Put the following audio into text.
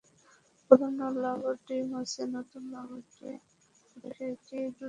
পুরোনো লোগোটি মুছে নতুন লোগোটি ফুটে ওঠার বিষয়টি ডুডলে তুলে ধরা হয়েছে।